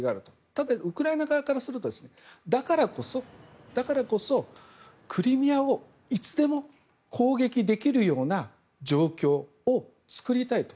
ただウクライナ側からするとだからこそクリミアをいつでも攻撃できるような状況を作りたいと。